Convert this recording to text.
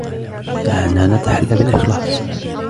دعنا نتحلى بالإخلاص